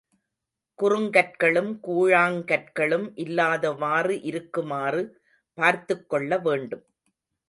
குறுங்கற்களும், கூழாங் கற்களும் இல்லாதவாறு இருக்குமாறு பார்த்துக்கொள்ள வேண்டும்.